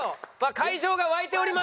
会場が沸いております。